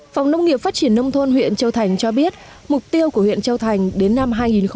phòng nông nghiệp phát triển nông thôn huyện châu thành cho biết mục tiêu của huyện châu thành đến năm hai nghìn hai mươi